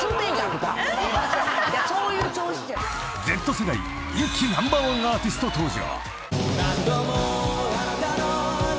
［Ｚ世代人気ナンバーワンアーティスト登場］